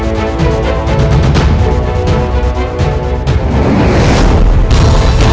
kau langsung sama sini infrastructure nya